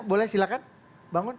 boleh silahkan bangun